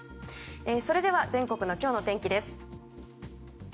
それでは全国の今日の天気です。